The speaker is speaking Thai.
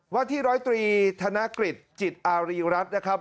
วันที่๑๐๓ธนกฤษจิตอารีรัฐนะครับ